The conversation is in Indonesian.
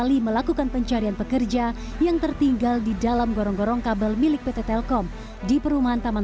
hingga kini total korban tewas di dalam gorong gorong lima orang